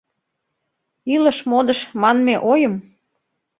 Илыш-модыш манме ойым